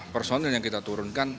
personil yang kita turunkan